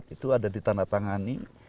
itu ada ditandatangani